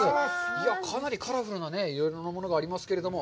かなりカラフルな、いろいろなものがありますけども。